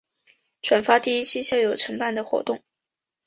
转发第一期校友承办的活动